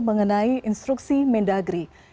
mengenai instruksi mendagri